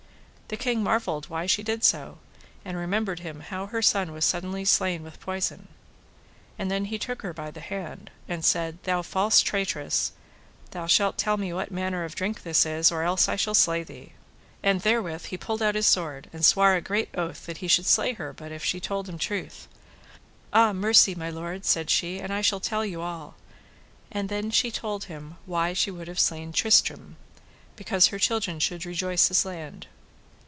The king marvelled why she did so, and remembered him how her son was suddenly slain with poison. And then he took her by the hand, and said: Thou false traitress, thou shalt tell me what manner of drink this is, or else I shall slay thee. And therewith he pulled out his sword, and sware a great oath that he should slay her but if she told him truth. Ah! mercy, my lord, said she, and I shall tell you all. And then she told him why she would have slain Tristram, because her children should rejoice his land.